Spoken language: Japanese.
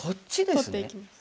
取っていきます。